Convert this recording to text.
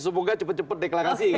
semoga cepat cepat deklarasi